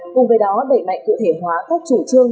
cùng với đó đẩy mạnh cụ thể hóa các chủ trương